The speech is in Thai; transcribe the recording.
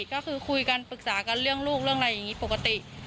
ก็คือคุยกันปรึกษากันเรื่องลูกเรื่องอะไรอย่างนี้ปกติ